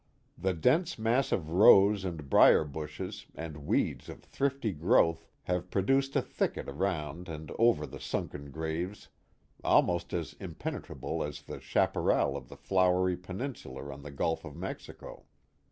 The dense mass of rose and briar bushes and weeds of thrifty growth have produced a thicket around and over the sunken graves almost as impenetrable as the chapar ral of the flowery peninsular on the Gulf of Mexico.